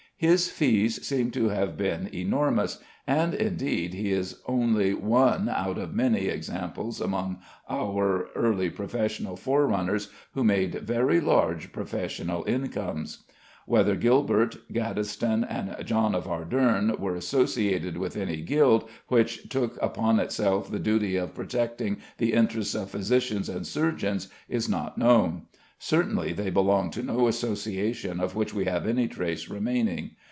His fees seem to have been enormous, and, indeed, he is only one out of many examples among our early professional forerunners who made very large professional incomes. Whether Gilbert, Gaddesden, and John of Arderne were associated with any guild which took upon itself the duty of protecting the interests of physicians and surgeons is not known. Certainly they belonged to no association of which we have any trace remaining.